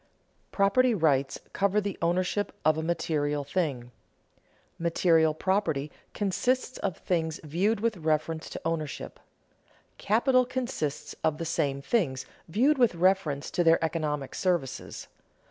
Property rights cover the ownership of a material thing. Material property consists of things viewed with reference to ownership; capital consists of the same things viewed with reference to their economic services.